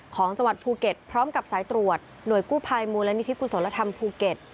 จังหวัดภูเก็ตพร้อมกับสายตรวจหน่วยกู้ภัยมูลนิธิกุศลธรรมภูเก็ต